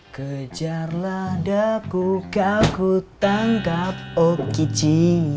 kejar ledaku kau ku tangkap okiji